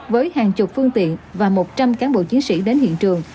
với hàng chục phương tiện và một trăm linh cán bộ chiến sĩ đến hiện trường